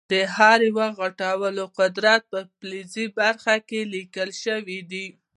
د هر یو د غټولو قدرت په فلزي برخه کې لیکل شوی دی.